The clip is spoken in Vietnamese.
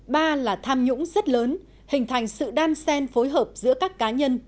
ba là tham nhũng rất lớn hình thành sự đan sen phối hợp giữa các cá nhân